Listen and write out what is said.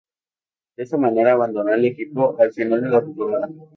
De esta manera abandonó el equipo al final de la temporada.